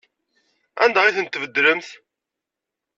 Anda ay tent-tbeddlemt?